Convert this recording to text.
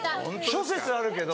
諸説あるけど。